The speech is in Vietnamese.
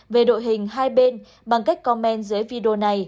về đội hình hai bên bằng cách commen dưới video này